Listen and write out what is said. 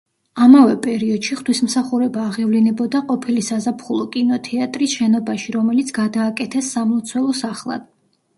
ამავე პერიოდში ღვთისმსახურება აღევლინებოდა ყოფილი საზაფხულო კინოთეატრის შენობაში, რომელიც გადააკეთეს სამლოცველო სახლად.